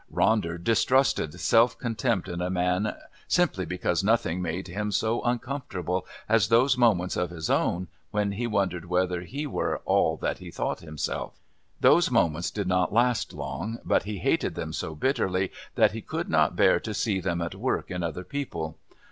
Ronder distrusted self contempt in a man simply because nothing made him so uncomfortable as those moments of his own when he wondered whether he were all that he thought himself. Those moments did not last long, but he hated them so bitterly that he could not bear to see them at work in other people.